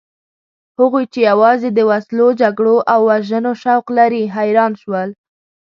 هغوی چې یوازې د وسلو، جګړو او وژنو شوق لري حیران شول.